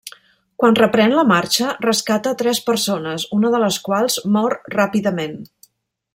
Quan reprèn la marxa, rescata tres persones, una de les quals mor ràpidament.